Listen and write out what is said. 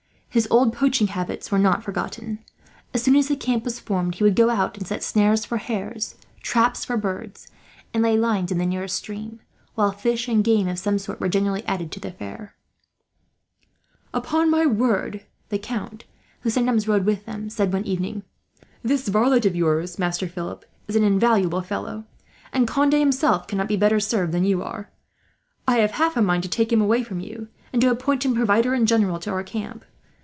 His old poaching habits were not forgotten. As soon as the camp was formed, he would go out and set snares for hares, traps for birds, and lay lines in the nearest stream; while fish and game, of some sort, were generally added to the fare. "Upon my word," the Count, who sometimes rode with them, said one evening, "this varlet of yours, Master Philip, is an invaluable fellow; and Conde, himself, cannot be better served than you are. I have half a mind to take him away from you, and to appoint him Provider in General to our camp.